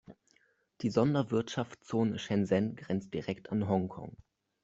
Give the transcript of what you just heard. Die Sonderwirtschaftszone Shenzhen grenzt direkt an Hongkong.